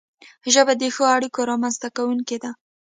ژبه د ښو اړیکو رامنځته کونکی ده